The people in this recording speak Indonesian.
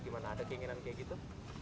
gimana ada keinginan kayak gitu